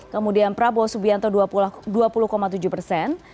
kemudian prabowo subianto dua puluh tujuh persen